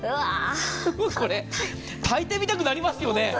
これ、炊いてみたくなりますね。